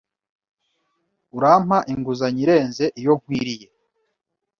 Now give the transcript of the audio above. Urampa inguzanyo irenze iyo nkwiriye.